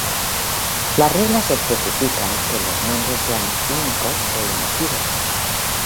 Las reglas especifican que los nombres sean únicos e inequívocos.